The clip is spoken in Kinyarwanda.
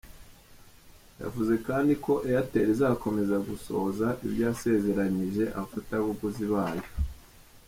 Yavuze kandi ko Airtel izakomeza gusohoza ibyo yasezeranyije abafatabuguzi bayo.